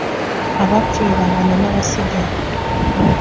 abapfuye bangana nabasigaye.